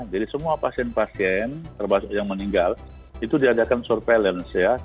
jadi semua pasien pasien terutama yang meninggal itu diadakan surveillance ya